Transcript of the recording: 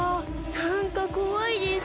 なんかこわいです。